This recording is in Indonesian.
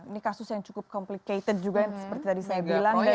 ini kasus yang cukup complicated juga yang seperti tadi saya bilang